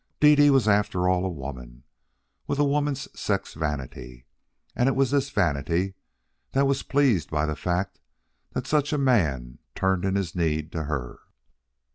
Dede was after all a woman, with a woman's sex vanity, and it was this vanity that was pleased by the fact that such a man turned in his need to her.